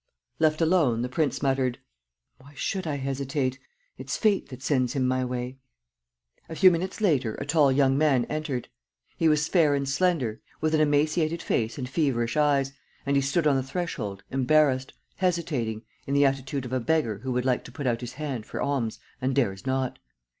Left alone, the prince muttered: "Why should I hesitate? It's fate that sends him my way. ..." A few minutes later a tall young man entered. He was fair and slender, with an emaciated face and feverish eyes, and he stood on the threshold embarrassed, hesitating, in the attitude of a beggar who would like to put out his hand for alms and dares not.